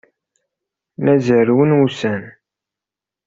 La zerrwen ussan-a.